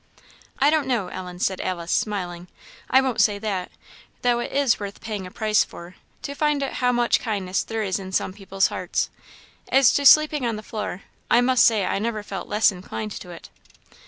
"I don't know, Ellen," said Alice, smiling; "I won't say that; though it is worth paying a price for, to find how much kindness there is in some people's hearts. As to sleeping on the floor, I must say I never felt less inclined to it."